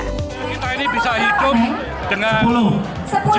kita ini bisa hidup dengan jiwa yang lebih sehat